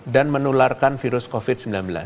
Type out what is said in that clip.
dan menularkan virus covid sembilan belas